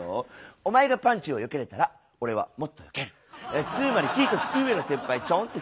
お前がパンチをよけれたら俺はもっとよけるあつまり１つ上の先輩ちょんってすなよ